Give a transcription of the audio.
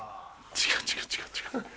違う違う違う違う。